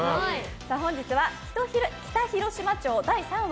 本日は北広島町第３話。